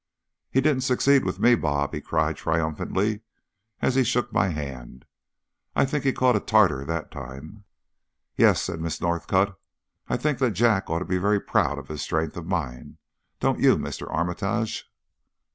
"He didn't succeed with me, Bob," he cried triumphantly, as he shook my hand. "I think he caught a Tartar that time." "Yes," said Miss Northcott, "I think that Jack ought to be very proud of his strength of mind; don't you! Mr. Armitage?"